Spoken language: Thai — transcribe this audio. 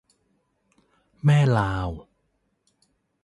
แม่ลาว